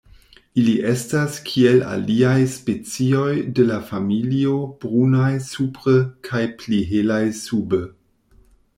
Ili estas kiel aliaj specioj de la familio brunaj supre kaj pli helaj sube.